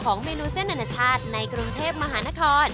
เมนูเส้นอนาชาติในกรุงเทพมหานคร